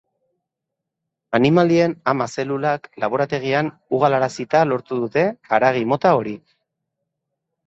Animalien ama-zelulak laborategian ugalarazita lortu dute haragi mota hori.